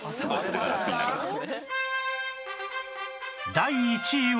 第１位は